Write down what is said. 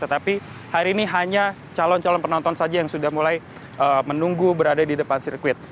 tetapi hari ini hanya calon calon penonton saja yang sudah mulai menunggu berada di depan sirkuit